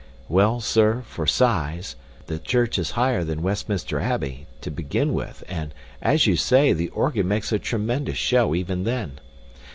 Well, sir, for size, the church is higher than Westminster Abbey, to begin with, and, as you say, the organ makes a tremendous show even then.